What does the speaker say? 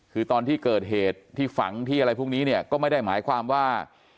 คือตอนที่เกิดเหตุที่ฝังที่อะไรพวกนี้เนี่ยก็ไม่ได้หมายความว่า